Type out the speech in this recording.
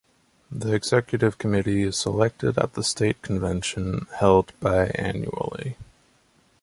The Executive Committee is selected at the State Convention, held bi-annually.